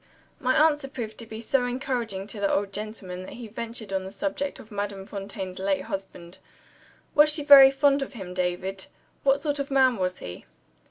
My answer proved to be so encouraging to the old gentleman that he ventured on the subject of Madame Fontaine's late husband. "Was she very fond of him, David? What sort of man was he?"